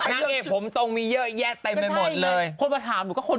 ฉันโชคดีชั้นไม่อยู่ด้วยถ้ายังงั้นก็ซวย